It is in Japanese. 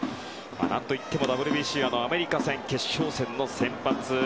何といってもＷＢＣアメリカ戦、決勝戦の先発。